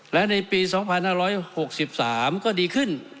และในปี๒๕๖๓ก็ดีขึ้น